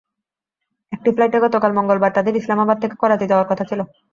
একটি ফ্লাইটে গতকাল মঙ্গলবার তাঁদের ইসলামাবাদ থেকে করাচি যাওয়ার কথা ছিল।